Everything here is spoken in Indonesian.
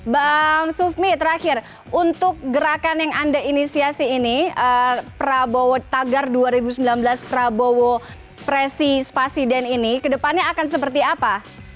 bang sufmi terakhir untuk gerakan yang anda inisiasi ini prabowo tagar dua ribu sembilan belas prabowo presi spasiden ini kedepannya akan seperti apa